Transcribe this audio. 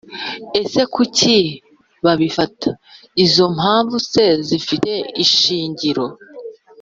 ese kuki babifata? izo mpamvu se zifite ishingiro?